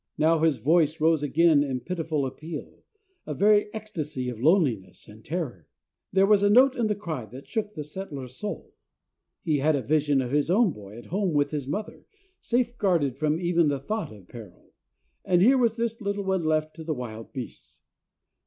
Now his voice rose again in pitiful appeal, a very ecstasy of loneliness and terror. There was a note in the cry that shook the settler's soul. He had a vision of his own boy, at home with his mother, safe guarded from even the thought of peril. And here was this little one left to the wild beasts!